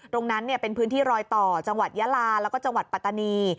ตรงนั้นเป็นพื้นที่รอยต่อจังหวัดยาลาแล้วก็จังหวัดปัตตานี